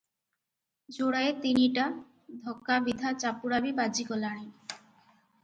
ଯୋଡ଼ାଏ ତିନିଟା ଧକା ବିଧା ଚାପୁଡ଼ା ବି ବାଜିଗଲାଣି ।